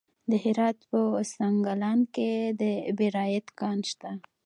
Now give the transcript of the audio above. د هرات په سنګلان کې د بیرایت کان شته.